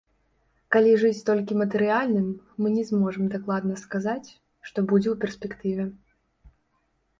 Калі жыць толькі матэрыяльным, мы не зможам дакладна сказаць, што будзе ў перспектыве.